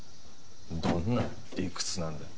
どんな理屈なんだよ。